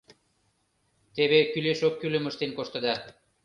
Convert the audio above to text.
Теве кӱлеш-оккӱлым ыштен коштыда...